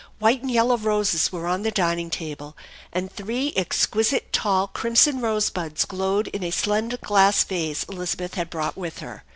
White and yellow roses were on the dining table, and three exquisite tall crimson rosebuds glowed in a slender glass vase Elizabeth had brought with her.